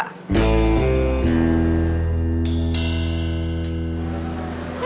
bener tuh jel